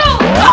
ini kita lihat